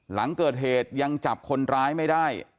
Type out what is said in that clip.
หลังเกิดเหตุยังจับคนร้ายไม่ได้